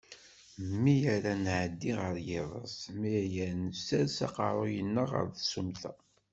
Mi ara nɛedi ɣer yiḍes, mi ara nsers aqerruy-nneɣ ɣer tsumta.